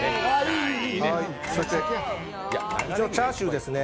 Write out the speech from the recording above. それからチャーシューですね。